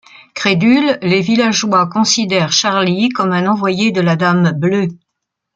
Crédules, les villageois considèrent Charlie comme un envoyé de la Dame Bleue.